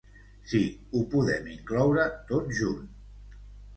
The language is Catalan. Sí, ho podem incloure tot junt.